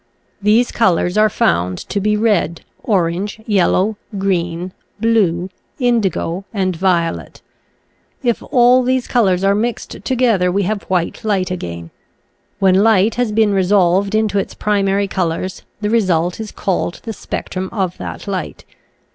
These colors are found to be red, orange, yellow, green, blue, indigo, and violet. If all these colors are mixed together we have white light again. When light has been resolved into its primary colors the result is called the spectrum of that light.